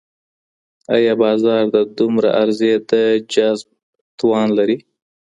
ايا بازار د دومره عرضې د جذب توان لري؟